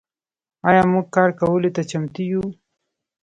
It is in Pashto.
آیا موږ کار کولو ته چمتو یو؟